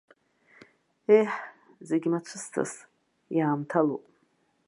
Еҳ, зегь мацәысҵас, иаамҭалоуп.